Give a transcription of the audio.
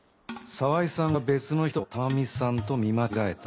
沢井さんが別の人を珠美さんと見間違えた。